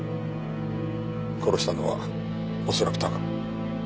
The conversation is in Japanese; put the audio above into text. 殺したのは恐らくタカ。